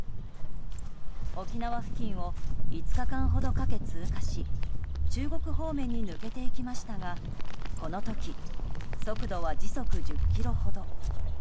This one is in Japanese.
沖縄付近を５日間ほどかけ通過し中国方面に抜けていきましたがこの時、速度は時速１０キロほど。